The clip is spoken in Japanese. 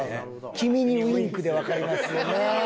「君にウィンク」でわかりますよね。